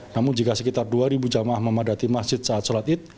namun jika sekitar dua jamaah memadati masjid saat sholat id